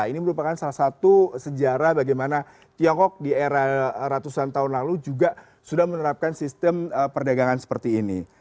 ini merupakan salah satu sejarah bagaimana tiongkok di era ratusan tahun lalu juga sudah menerapkan sistem perdagangan seperti ini